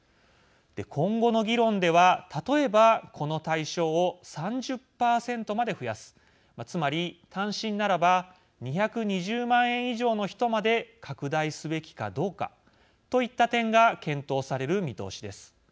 今後の議論では、例えばこの対象を３０％まで増やすつまり単身ならば２２０万円以上の人まで拡大すべきかどうかといった点が検討される見通しです。